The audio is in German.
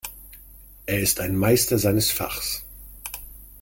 Er ist ein Meister seines Fachs.